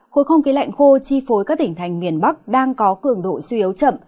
khối không khí lạnh khô chi phối các tỉnh thành miền bắc đang có cường độ suy yếu chậm